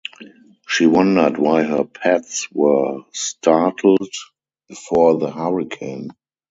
She wondered why her pets were startled before the hurricane.